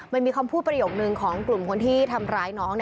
มันมีคำพูดประโยคนึงของกลุ่มคนที่ทำร้ายน้อง